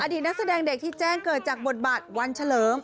นักแสดงเด็กที่แจ้งเกิดจากบทบาทวันเฉลิม